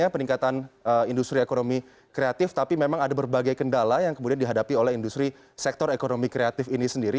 peningkatan industri ekonomi kreatif tapi memang ada berbagai kendala yang kemudian dihadapi oleh industri sektor ekonomi kreatif ini sendiri